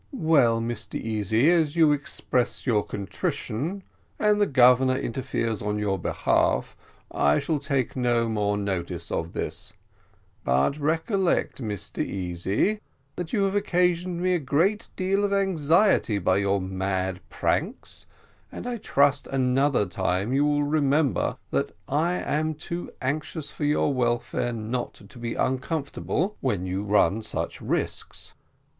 "Well, Mr Easy, as you express your contrition, and the Governor interferes in your behalf, I shall take no more notice of this; but recollect, Mr Easy, that you have occasioned me a great deal of anxiety by your mad pranks, and I trust another time you will remember that I am too anxious for your welfare not to be uncomfortable when you run such risks.